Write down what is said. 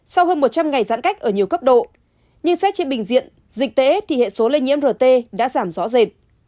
sau hơn một trăm linh ngày giãn cách ở nhiều cấp độ nhưng xét trên bình diện dịch tễ thì hệ số lây nhiễm rt đã giảm rõ rệt